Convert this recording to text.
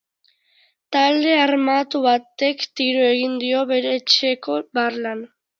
Talde armatu batek tiro egin dio bere etxeko barlan.